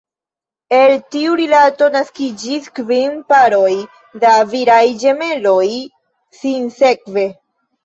El tiu rilato naskiĝis kvin paroj da viraj ĝemeloj, sinsekve.